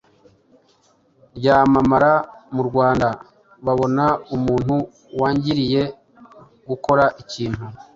ryamamara mu Rwanda, babona umuntu wangiriye gukora ikintu,